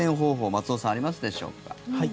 松尾さん、ありますでしょうか。